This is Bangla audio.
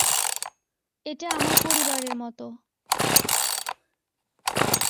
এটা আমার পরিবারের মত।